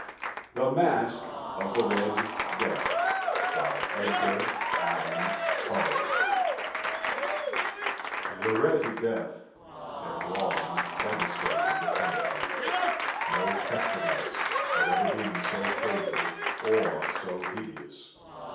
THE MASQUE OF THE RED DEATH. The "Red Death" had long devastated the country. No pestilence had ever been so fatal, or so hideous.